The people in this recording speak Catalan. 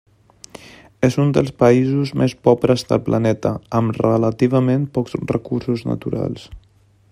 És un dels països més pobres del planeta, amb relativament pocs recursos naturals.